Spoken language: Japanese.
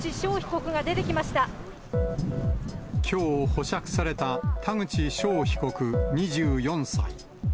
きょう、保釈された田口翔被告２４歳。